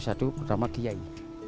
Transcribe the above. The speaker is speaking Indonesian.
satu pertama kiayi